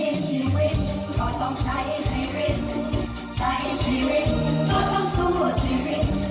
ชีวิตก็ต้องใช้ชีวิตใช้ชีวิตก็ต้องสู้ชีวิต